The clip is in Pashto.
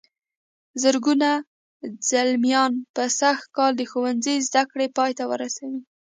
زرګونه زلميان به سږ کال د ښوونځي زدهکړې پای ته ورسوي.